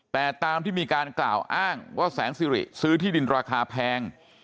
แต่ตามที่มีการกล่าวอ้างว่าแสงสิริซื้อที่ดินราคาแพง